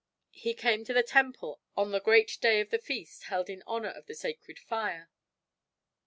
He came to the temple on the great day of the feast held in honor of the sacred fire.